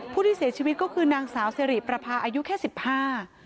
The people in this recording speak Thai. ผู้ที่เสียชีวิตก็คือนางสาวสิริประพาอายุแค่สิบห้า